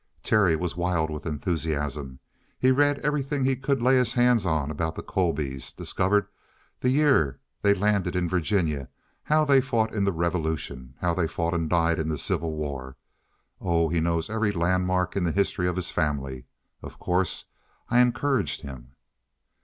"Terry was wild with enthusiasm. He read everything he could lay his hands on about the Colbys. Discovered the year they landed in Virginia; how they fought in the Revolution; how they fought and died in the Civil War. Oh, he knows every landmark in the history of 'his' family. Of course, I encouraged him."